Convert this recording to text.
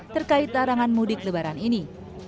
terkait larangan mudik lebaran ini